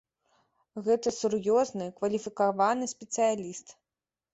Гэта сур'ёзны, кваліфікаваны спецыяліст.